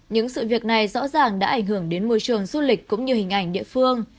những sự việc này rõ ràng đã ảnh hưởng đến môi trường du lịch cũng như hình ảnh địa phương